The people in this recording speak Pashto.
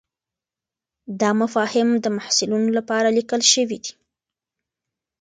دا مفاهیم د محصلینو لپاره لیکل شوي دي.